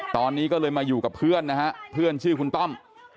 ตอนนี้ก็เลยมาอยู่กับเพื่อนนะฮะเพื่อนชื่อคุณต้อม